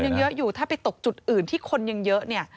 ยังเยอะอยู่ถ้าไปตกจุดอื่นที่คนยังเยอะเนี่ย